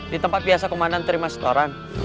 di tempat biasa komandan terima setoran